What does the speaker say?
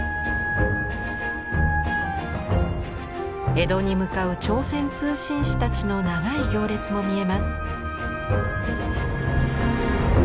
江戸に向かう朝鮮通信使たちの長い行列も見えます。